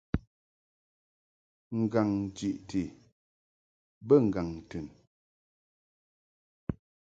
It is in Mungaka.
Ngaŋ jiʼti bə ŋgaŋ tɨn.